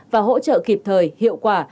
và hỗ trợ kịp thời hiệu quả